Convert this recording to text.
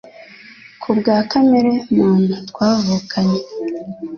Kubwa kamere muntu twavukanye,